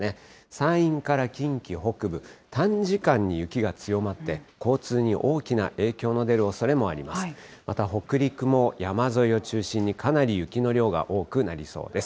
山陰から近畿北部、短時間に雪が強まって、交通に大きな影響が出るおそれもあります。